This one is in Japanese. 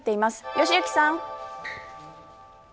良幸さん。